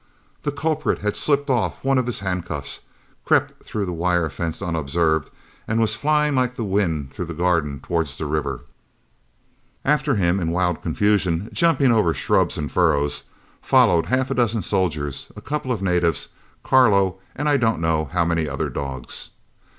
The culprit had slipped off one of his handcuffs, crept through the wire fence unobserved, and was flying like the wind through the garden towards the river. After him, in wild confusion, jumping over shrubs and furrows, followed half a dozen soldiers, a couple of natives, Carlo, and I don't know how many other dogs.